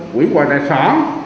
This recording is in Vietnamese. quỹ quả tài sản